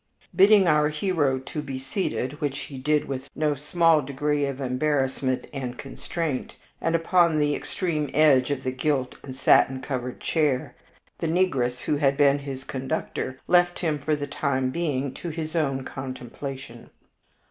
Bidding our hero to be seated, which he did with no small degree of embarrassment and constraint, and upon the extreme edge of the gilt and satin covered chair, the negress who had been his conductor left him for the time being to his own contemplation.